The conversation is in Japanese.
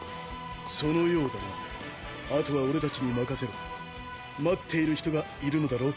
そのようだなあとは俺達に任せろ待っている人がいるのだろう？